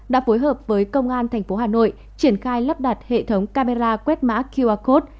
đã phối hợp với công an tp hà nội triển khai lắp đặt hệ thống camera quét mã qr code